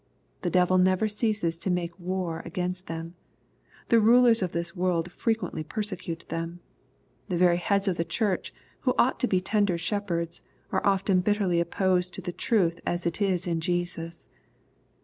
The devil never ceases to make war against them. The rulers of this world frequently persecute them. The very heads of the Church, who ought to be tender shepherds, are often bitterj^pposed to the truth as it is in Jesus.